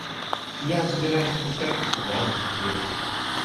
Я забираюсь на кушетку с ногами и лежу.